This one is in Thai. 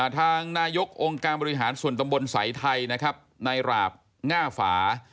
ทางนายกองค์การบริหารส่วนตำบลสายไทยนะครับนายหราบง่าฝา